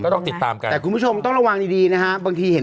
ต้องติดตามกันแต่คุณผู้ชมต้องระวังดีดีนะฮะบางทีเห็น